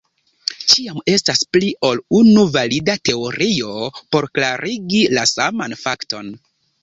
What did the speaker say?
Ĉiam estas pli ol unu valida teorio por klarigi la saman fakton.